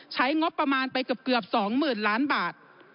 ใช้งบประมาณไปเกือบ๒๐๐๐ล้านบาท